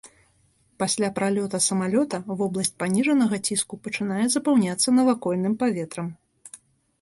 Пасля пралёта самалёта вобласць паніжанага ціску пачынае запаўняцца навакольным паветрам.